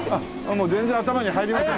もう全然頭に入りません。